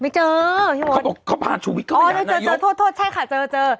ไม่เจอพี่โมดเขาบอกเขาพาชุวิตเข้ามาหานายกอ๋อเจอเจอโทษโทษใช่ค่ะเจอเจอ